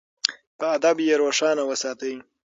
په ادب یې روښانه وساتئ.